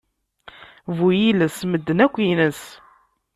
Bu yiles medden akk ines.